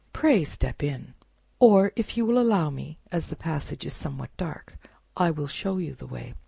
Pray step in, or if you will allow me, and as the passage is somewhat dark, I will show you the way."